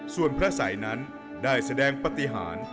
ส่วนพระสัยนั้นได้แสดงปฏิหาร